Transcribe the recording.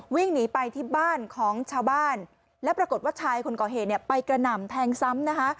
วิ่งหนีไปที่บ้านของชาวบ้านแล้วปรากฏว่าชายคนก่อเหตุเนี่ยไปกระหน่ำแทงซ้ำนะคะ